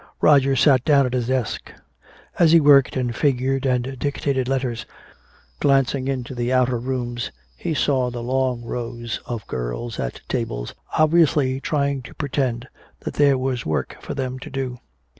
Roger sat down at his desk. As he worked and figured and dictated letters, glancing into the outer rooms he saw the long rows of girls at tables obviously trying to pretend that there was work for them to do.